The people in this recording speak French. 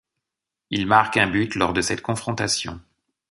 Il marque un but lors de cette confrontation.